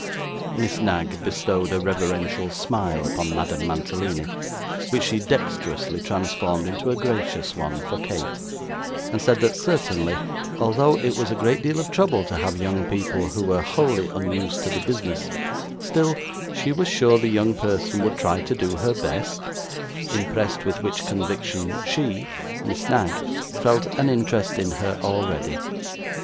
Miss Knag bestowed a reverential smile upon Madame Mantalini, which she dexterously transformed into a gracious one for Kate, and said that certainly, although it was a great deal of trouble to have young people who were wholly unused to the business, still, she was sure the young person would try to do her best impressed with which conviction she (Miss Knag) felt an interest in her, already.